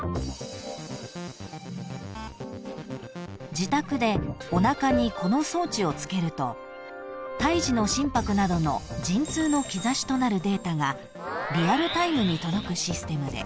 ［自宅でおなかにこの装置をつけると胎児の心拍などの陣痛の兆しとなるデータがリアルタイムに届くシステムで］